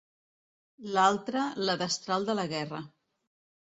L'altre, la destral de la guerra.